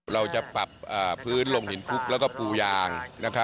เราจะปรับพื้นลงหินคุกแล้วก็ปูยาง